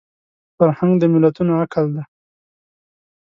فرهنګ د ملتونو عقل دی